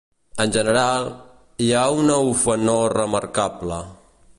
En general, hi ha una ufanor remarcable.